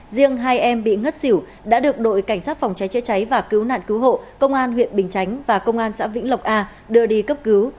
riêng hai em bị ngất xỉu đã được đội cảnh sát phòng cháy chữa cháy và cứu nạn cứu hộ công an huyện bình chánh và công an xã vĩnh lộc a đưa đi cấp cứu